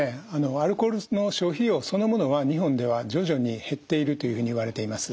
アルコールの消費量そのものは日本では徐々に減っているというふうにいわれています。